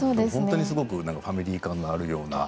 すごくファミリー感があるような。